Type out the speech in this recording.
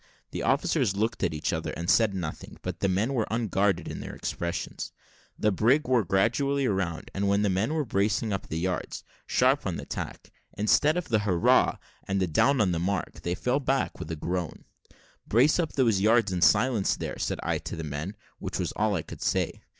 The officers looked at each other, and said nothing; but the men were unguarded in their expressions. The brig wore gradually round; and when the men were bracing up the yards, sharp on the other tack, instead of the "Hurrah!" and "Down with the mark," they fell back with a groan. "Brace up those yards in silence there," said I to the men, which was all I could say.